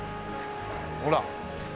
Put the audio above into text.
ほら。